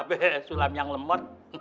apa sulam yang lemot